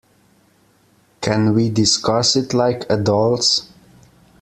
Can we discuss it like adults?